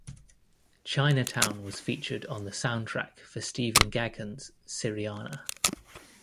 "Chinatown" was featured on the soundtrack for Stephen Gaghan's "Syriana".